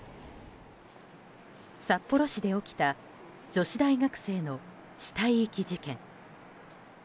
札幌市で起きた女子大学生の死体遺棄事件。